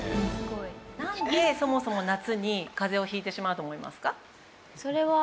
なんでそもそも夏にかぜをひいてしまうと思いますか？